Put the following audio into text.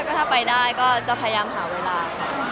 ก็ถ้าไปได้ค่อยจะพยายามหาเวลา